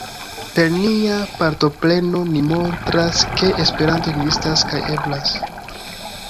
Per nia partopreno, ni montras ke Esperanto ekzistas kaj eblas.